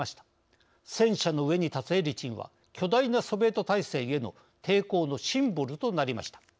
戦車の上に立つエリツィンは巨大なソビエト体制への抵抗のシンボルとなりました。